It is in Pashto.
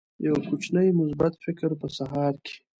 یو کوچنی مثبت فکر په سهار کې